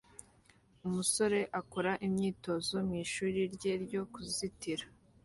Umusore akora imyitozo mu ishuri rye ryo kuzitira